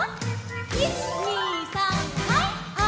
１２３はい！